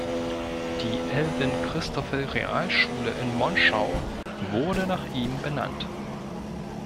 Die Elwin-Christoffel-Realschule in Monschau wurde nach ihm benannt.